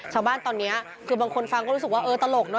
ชาวบ้านตอนนี้คือบางคนฟังก็รู้สึกว่าเออตลกเนอ